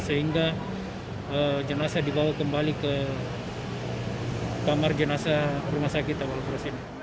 sehingga jenazah dibawa kembali ke kamar jenazah rumah sakit awal kurus ini